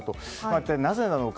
一体なぜなのか。